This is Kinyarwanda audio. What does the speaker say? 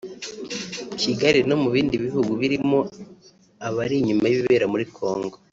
Kigali no mu bindi bihugu birimo abari inyuma y’ibibera muri Congo